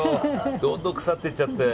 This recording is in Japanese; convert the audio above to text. どんどん腐っていっちゃって。